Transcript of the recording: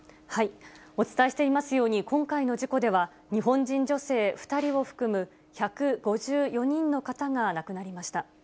お伝えしていますように、今回の事故では、日本人女性２人を含む１５４人の方が亡くなりました。